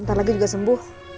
ntar lagi juga sembuh